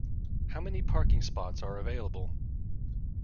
How many parking spots are available?